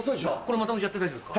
まとめちゃって大丈夫ですか？